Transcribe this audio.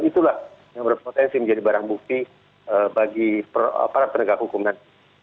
itulah yang berpotensi menjadi barang bukti bagi para penegak hukum nanti